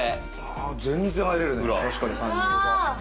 全然入れる。